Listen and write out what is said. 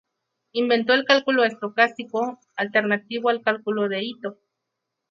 Inventó el cálculo estocástico, alternativo al cálculo de Itō.